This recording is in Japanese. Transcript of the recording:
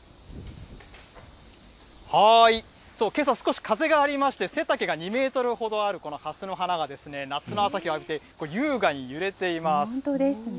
けさ、少し風がありまして、背丈が２メートルほどあるこのはすの花が、夏の朝日を浴びて優雅本当ですね。